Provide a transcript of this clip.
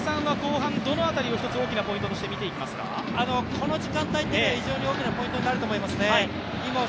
この時間帯というのは非常に大きなポイントになると思います。